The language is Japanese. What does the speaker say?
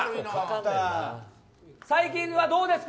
最近はどうですか？